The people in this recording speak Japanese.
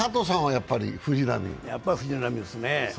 やっぱり藤浪ですね。